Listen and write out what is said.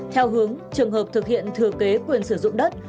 theo hướng trường hợp thực hiện thừa kế quyền sử dụng đất